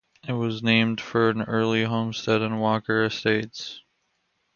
It was named for an early homestead in Walker Estates.